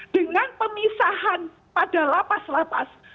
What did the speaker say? dengan pemisahan pada lapas lapas